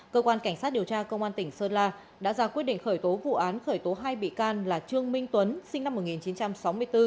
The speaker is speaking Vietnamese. cơ quan cảnh sát điều tra công an tỉnh sơn la đã ra quyết định khởi tố vụ án khởi tố hai bị can là trương minh tuấn sinh năm một nghìn chín trăm sáu mươi bốn